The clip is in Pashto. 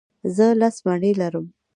زه لس مڼې لرم.